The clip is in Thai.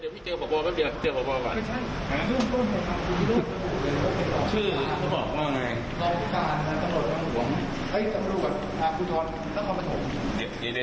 พี่ยังขอตรวจสอบนิดนึง